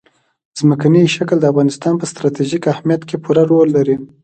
ځمکنی شکل د افغانستان په ستراتیژیک اهمیت کې پوره رول لري.